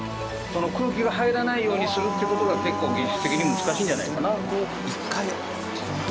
空気が入らないようにするって事が結構技術的に難しいんじゃないかな。